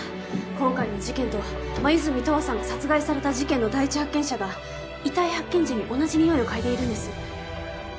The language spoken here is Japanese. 今回の事件と黛十和さんが殺害された事件の第一発見者が遺体発見時に同じ匂いを嗅いでいるんです。